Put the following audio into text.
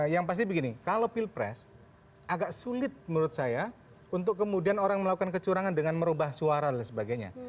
yang pasti begini kalau pilpres agak sulit menurut saya untuk kemudian orang melakukan kecurangan dengan merubah suara dan sebagainya